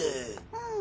うん。